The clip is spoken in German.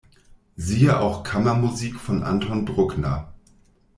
Siehe auch Kammermusik von Anton Bruckner